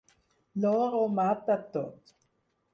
L'or ho mata tot.